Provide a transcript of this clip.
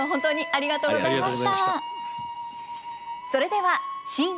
ありがとうございます。